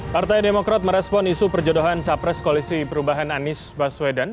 partai demokrat merespon isu perjodohan capres koalisi perubahan anies baswedan